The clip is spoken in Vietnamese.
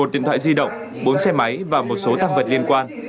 một mươi một điện thoại di động bốn xe máy và một số tăng vật liên quan